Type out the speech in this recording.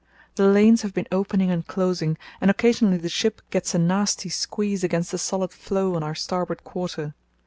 The lanes have been opening and closing, and occasionally the ship gets a nasty squeeze against the solid floe on our starboard quarter.